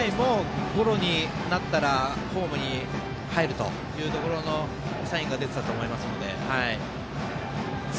ゴロになったらホームに入るというところのサインが出てたと思いますので。